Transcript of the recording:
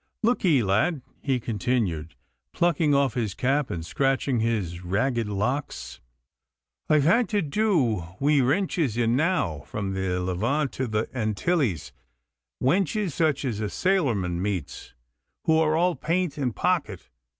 Look ye, lad,' he continued, plucking off his cap and scratching his ragged locks; 'I've had to do wi' wenches enow from the Levant to the Antilles wenches such as a sailorman meets, who are all paint and pocket.